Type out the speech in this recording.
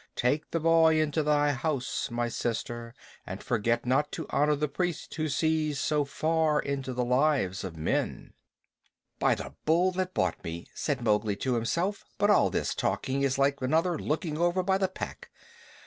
Take the boy into thy house, my sister, and forget not to honor the priest who sees so far into the lives of men." "By the Bull that bought me," said Mowgli to himself, "but all this talking is like another looking over by the Pack!